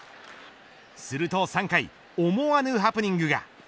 すると３回思わぬハプニングが。